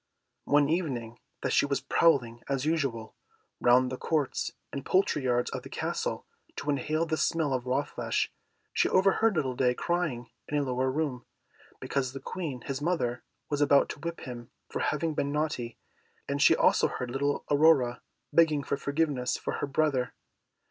One evening that she was prowling, as usual, round the courts and poultry yards of the Castle, to inhale the smell of raw flesh, she overheard little Day crying in a lower room, because the Queen, his mother, was about to whip him for having been naughty, and she also heard little Aurora begging forgiveness for her brother.